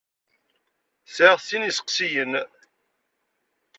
Sɛiɣ sin n yisseqsiyen.